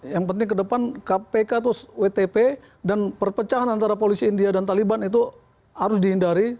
yang penting ke depan kpk itu wtp dan perpecahan antara polisi india dan taliban itu harus dihindari